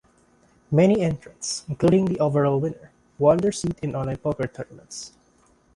Many entrants, including the overall winner, won their seat in online poker tournaments.